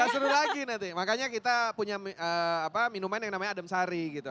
seru lagi nanti makanya kita punya minuman yang namanya adem sari gitu